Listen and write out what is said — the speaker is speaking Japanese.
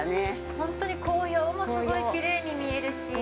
◆ほんとに紅葉もすごいきれいに見えるし。